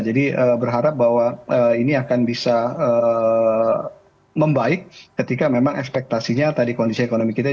jadi berharap bahwa ini akan bisa membaik ketika memang ekspektasinya tadi kondisi ekonomi kita